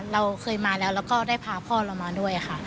เราเคยมาแล้วแล้วก็ได้พาพ่อเรามาด้วยค่ะ